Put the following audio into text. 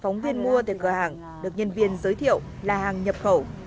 phóng viên mua từ cửa hàng được nhân viên giới thiệu là hàng nhập khẩu